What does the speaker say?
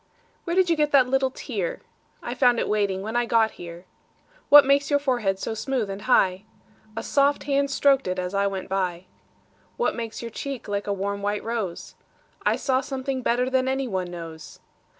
Where did you get that little tear?I found it waiting when I got here. What makes your forehead so smooth and high?A soft hand strok'd it as I went by. What makes your cheek like a warm white rose?I saw something better than any one knows.